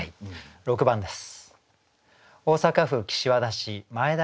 ６番です。